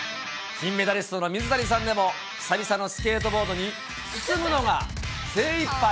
金メダリストの水谷さんでも、久々のスケートボードに、進むのが精いっぱい。